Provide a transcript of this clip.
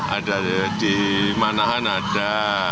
ada di manahan ada